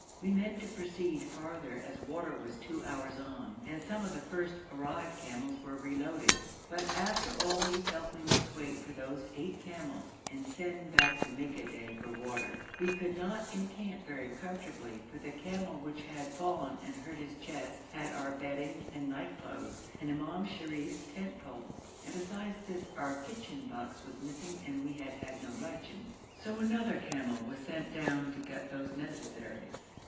We meant to proceed farther as water was two hours on, and some of the first arrived camels were reloaded; but, after all, we felt we must wait for those eight camels, and send back to Mikadèh for water. We could not encamp very comfortably, for the camel which had fallen and hurt his chest had our bedding and night clothes and Imam Sharif's tent poles, and besides this our kitchen box was missing and we had had no luncheon. So another camel was sent down to fetch those necessaries.